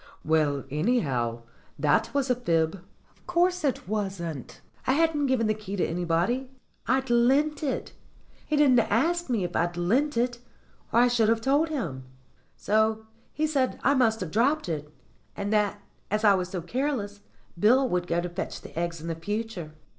"Well, anyhow, that was a fib." "Of course it wasn't. I hadn't given the key to anybody. I'd lent it. He didn't ask me if I'd lent it, THE KEY OF THE HEN HOUSE 179 or I should have told him. So he said I must have dropped it, and that, as I was so careless, Bill would go to fetch the eggs in future."